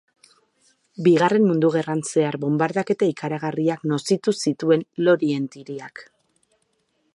Bigarren Mundu Gerran zehar bonbardaketa ikaragarriak nozitu zituen Lorient hiriak.